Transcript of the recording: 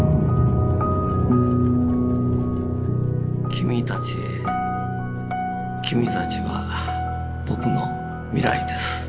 「君たちへ君たちは僕の未来です。